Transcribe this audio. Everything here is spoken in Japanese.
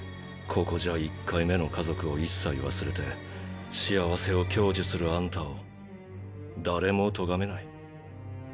ここじゃ一回目の家族を一切忘れて幸せを享受するあんたを誰も咎めない。